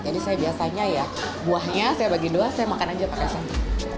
jadi saya biasanya ya buahnya saya bagi dua saya makan aja pakai satu